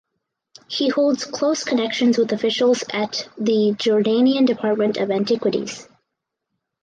He holds close connections with officials at the Jordanian Department of Antiquities.